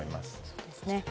そうですね。